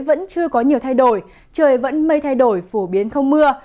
vẫn chưa có nhiều thay đổi trời vẫn mây thay đổi phổ biến không mưa